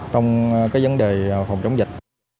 trong vấn đề phòng chống dịch